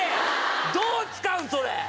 どう使うの⁉それ！